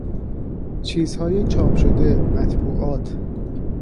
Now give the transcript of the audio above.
چیزهای چاپ شده، مطبوعات